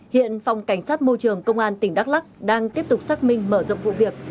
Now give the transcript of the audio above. hiện phòng cảnh sát môi trường công an tỉnh đắk lắc đang tiếp tục xác minh mở rộng vụ việc